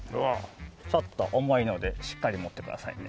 ちょっと重いのでしっかり持ってくださいね。